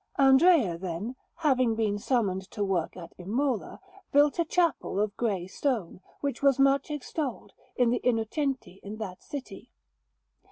Andrea, then, having been summoned to work at Imola, built a chapel of grey stone, which was much extolled, in the Innocenti in that city.